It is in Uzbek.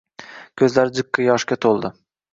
Ko`zlari jiqqa yoshga to`ldi